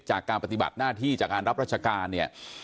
จากการปฏิบัติหน้าที่จากการรับราชการเนี่ย